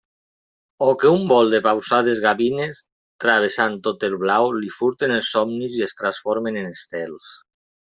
O que un vol de pausades gavines, travessant tot el blau, li furten els somnis i els transformen en estels.